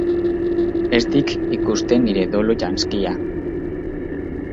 Ez dik ikusten nire dolu-janzkia.